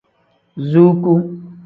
Zuuku.